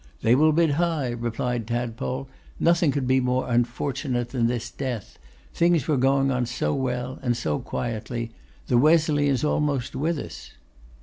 'They will bid high,' replied Tadpole. 'Nothing could be more unfortunate than this death. Things were going on so well and so quietly! The Wesleyans almost with us!